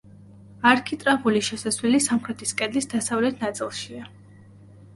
არქიტრავული შესასვლელი სამხრეთის კედლის დასავლეთ ნაწილშია.